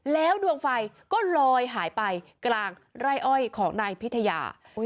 แล้วดวงไฟก็ลอยหายไปกลางไร่อ้อยของนายพิทยา